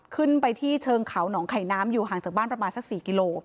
ขึ้นไปที่เชิงเขาหนองไข่น้ำอยู่ห่างจากบ้านประมาณสัก๔กิโล